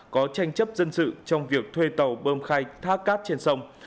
có tranh chấp dân sự trong việc thuê tàu bơm khai thác cát trên sông